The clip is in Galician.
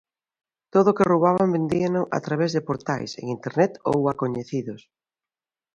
Todo o que roubaban vendíano a través de portais en Internet ou a coñecidos.